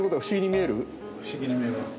不思議に見えます。